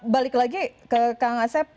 balik lagi ke kang asep